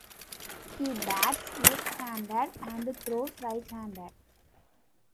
He bats left-handed and throws right-handed.